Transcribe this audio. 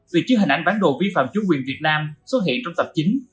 vì chiếu hình ảnh bán đồ vi phạm chủ quyền việt nam xuất hiện trong tập chín